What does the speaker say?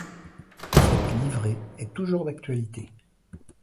Cette livrée est toujours d'actualité.